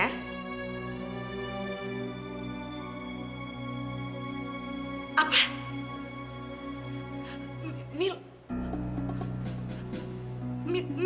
selamat mengalami kamu